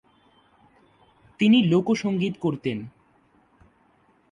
তিনি লোকসঙ্গীত করতেন।